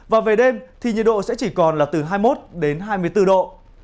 và về đêm thì nhiệt độ sẽ chỉ còn là từ hai mươi một hai mươi bốn độ